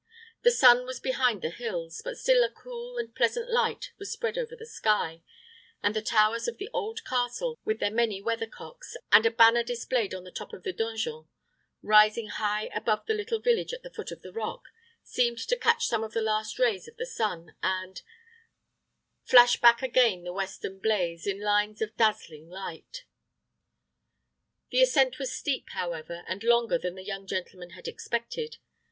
The sun was behind the hills, but still a cool and pleasant light was spread over the sky, and the towers of the old castle, with their many weather cocks, and a banner displayed on the top of the donjon, rising high above the little village at the foot of the rock, seemed to catch some of the last rays of the sun, and "Flash back again the western blaze, In lines of dazzling light." The ascent was steep, however, and longer than the young gentleman had expected.